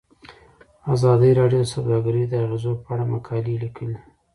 ازادي راډیو د سوداګري د اغیزو په اړه مقالو لیکلي.